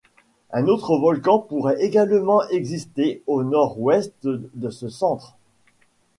Un autre volcan pourrait également exister au nord-ouest de ce centre.